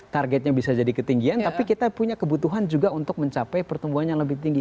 targetnya bisa jadi ketinggian tapi kita punya kebutuhan juga untuk mencapai pertumbuhan yang lebih tinggi